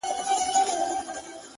زه له خپلي ډيري ميني ورته وايم،